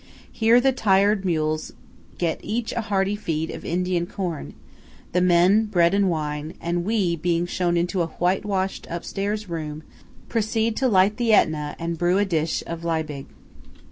Here the tired mules get each a hearty feed of Indian corn; the men, bread and wine; and we, being shown into a whitewashed upstairs room, proceed to light the Etna and brew a dish of Liebig.